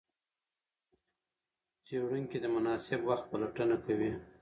څېړونکي د مناسب وخت پلټنه کوي.